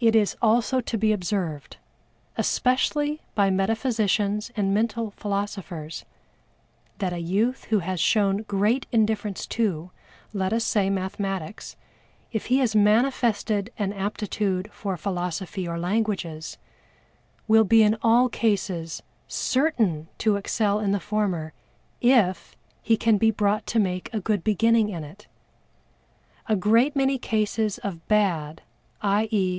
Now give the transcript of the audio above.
It is also to be observed, especially by metaphysicians and mental philosophers, that a youth who has shown great indifference to, let us say mathematics, if he has manifested an aptitude for philosophy or languages, will be in all cases certain to excel in the former, if he can be brought to make a good beginning in it. A great many cases of bad, _i. e.